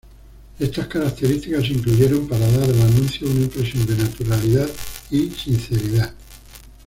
Estas características se incluyeron para dar al anuncio una impresión de naturalidad y sinceridad.